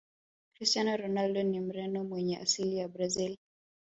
cristiano ronaldo ni mreno mwenye asili ya brazil